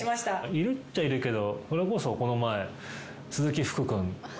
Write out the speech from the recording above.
いるっちゃいるけどそれこそこの前。